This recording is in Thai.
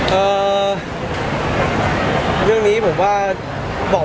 ไม่ได้เจอในคุณหรอก